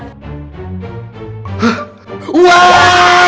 tidak ada masalah